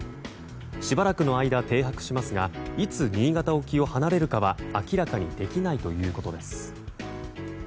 しばらくの間、停泊しますがいつ新潟沖を離れるかは明らかにできないということです。